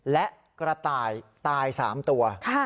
และกระต่ายตาย๓ตัว